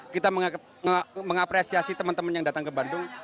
kita mengapresiasi teman teman yang datang ke bandung